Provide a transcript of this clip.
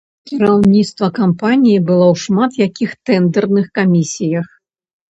Кіраўніцтва кампаніі было ў шмат якіх тэндэрных камісіях.